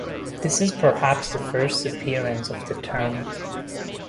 This is perhaps the first appearance of the term.